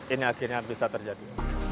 ini akhirnya bisa terjadi